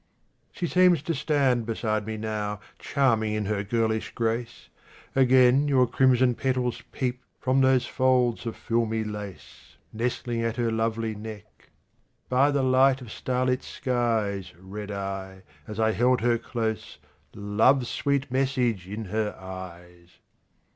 She seems to stand beside me now, Charming in her girlish grace; Again your crimson petals peep From those folds of filmy lace Nestling at her lovely neck. By the light of starlit skies Read I, as I held her close, Love's sweet message in her eyes.